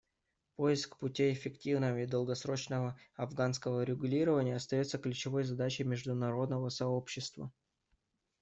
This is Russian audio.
Поиск путей эффективного и долгосрочного афганского урегулирования остается ключевой задачей международного сообщества.